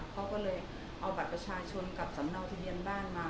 เขาก็เลยเอาบัตรประชาชนกับสำเนาทะเบียนบ้านมา